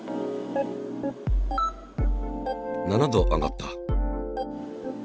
７℃上がった。